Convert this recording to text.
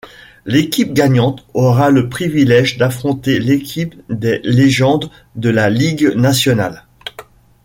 L'équipe gagnante aura le privilège d'affronter l'équipe des légendes de la Ligue nationale.